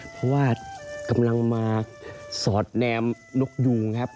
เพราะว่ากำลังมาสอดแนมนกยูงครับ